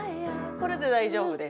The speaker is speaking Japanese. これで大丈夫です。